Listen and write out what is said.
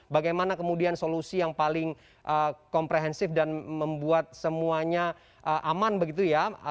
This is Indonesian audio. bagaimana kemudian solusi yang paling komprehensif dan membuat semuanya aman begitu ya